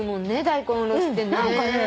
大根おろしってね。